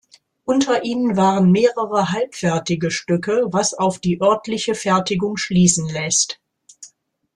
Unter ihnen waren mehrere halbfertige Stücke, was auf die örtliche Fertigung schließen lässt.